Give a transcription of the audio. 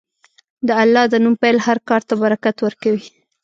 د الله د نوم پیل هر کار ته برکت ورکوي.